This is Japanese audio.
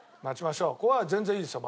ここは全然いいですよ